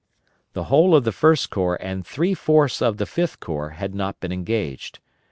The whole of the First Corps and three fourths of the Fifth Corps had not been engaged.